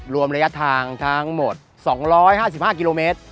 รวมระยะทางทั้งหมด๒๕๕กิโลเมตร